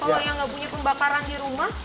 kalau yang nggak punya pembakaran di rumah